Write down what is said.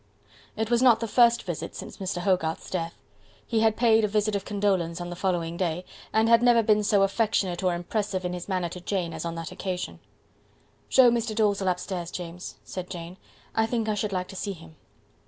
It was not the first visit since Mr. Hogarth's death. He had paid a visit of condolence on the following day, and had never been so affectionate or impressive in his manner to Jane as on that occasion. "Show Mr. Dalzell upstairs, James," said Jane; "I think I should like to see him."